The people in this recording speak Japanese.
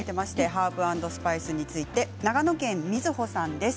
ハーブ＆スパイスについて長野県の方です。